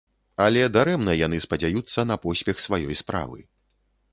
Але дарэмна яны спадзяюцца на поспех сваёй справы.